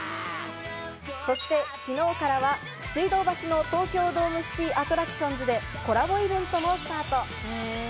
そして昨日からは水道橋の東京ドームシティアトラクションズでコラボイベントもスタート。